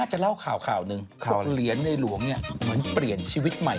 เขาบอกเหมือนเขาตายแล้วเกิดใหม่